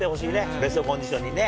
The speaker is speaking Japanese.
ベストコンディションにね。